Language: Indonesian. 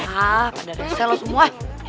hah pada resell semua